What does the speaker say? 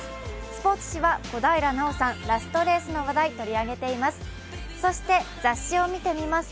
スポーツ紙は小平奈緒さんラストレースの話題を取り上げています。